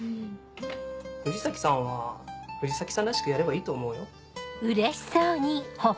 藤崎さんは藤崎さんらしくやればいいと思うよ。